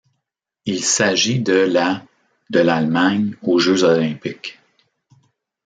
Il s'agit de la de l'Allemagne aux Jeux olympiques.